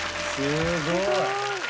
すごい。